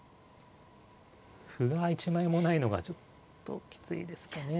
歩が一枚もないのがちょっときついですかね。